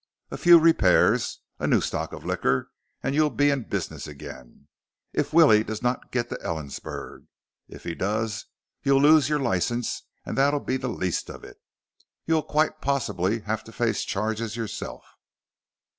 A few repairs, a new stock of liquor, and you'll be in business again if Willie does not get to Ellensburg. If he does you'll lose your license and that'll be the least of it. You'll quite possibly have to face charges yourself."